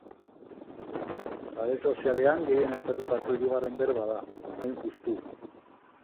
Sare sozialean gehien aipatutako hirugarren berba da, hain justu.